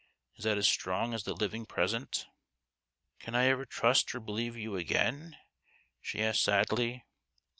Is that as strong as the living present ?"" Can I ever trust or believe you again ?" she asked sadly.